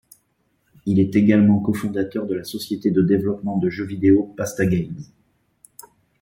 Il est également cofondateur de la société de développement de jeux vidéo Pastagames.